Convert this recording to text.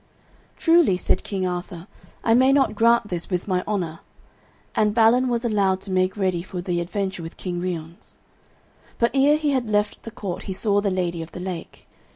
"Truly," said King Arthur, "I may not grant this with my honour," and Balin was allowed to make ready for the adventure with King Ryons. But ere he had left the court he saw the Lady of the Lake.